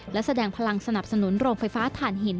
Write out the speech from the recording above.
และแสดงพลังสนับสนุนโรงไฟฟ้าฐานหิน